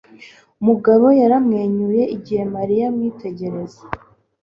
Mugabo yaramwenyuye igihe Mariya amwitegereza.